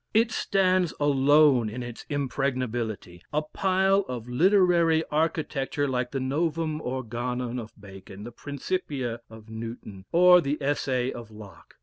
It stands alone in its impregnability a pile of literary architecture like the "Novum Organan" of Bacon, the "Principia" of Newton, or the Essay of Locke.